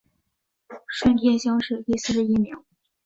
顺天乡试第四十一名。